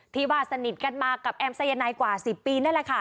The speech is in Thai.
ที่ว่าสนิทกันมากับแอมสายนายกว่า๑๐ปีนั่นแหละค่ะ